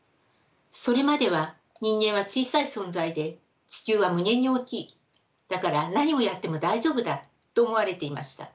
それまでは人間は小さい存在で地球は無限に大きいだから何をやっても大丈夫だと思われていました。